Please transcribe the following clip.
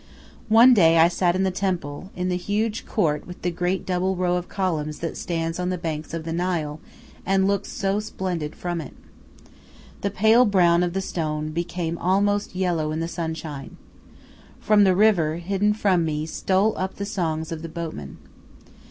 One day I sat in the temple, in the huge court with the great double row of columns that stands on the banks of the Nile and looks so splendid from it. The pale brown of the stone became almost yellow in the sunshine. From the river, hidden from me stole up the songs of the boatmen.